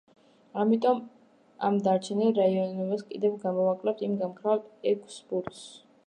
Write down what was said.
ამიტომ ამ დარჩენილ რაოდენობას კიდევ გამოვაკლებთ იმ გამქრალ ექვს ბურთს.